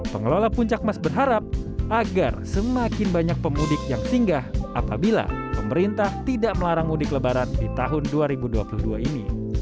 pengelola puncak mas berharap agar semakin banyak pemudik yang singgah apabila pemerintah tidak melarang mudik lebaran di tahun dua ribu dua puluh dua ini